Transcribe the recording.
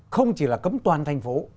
không chỉ là cấm toàn thành phố